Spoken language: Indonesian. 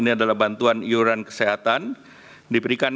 permenkop ukm no enam tahun dua ribu dua puluh